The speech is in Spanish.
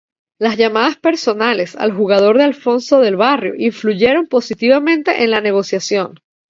Las llamadas personales al jugador de Alfonso del Barrio influyeron positivamente en la negociación.